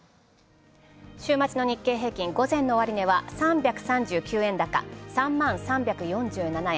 週末の日経平均午前の終値は、３３９円高３万３０４７円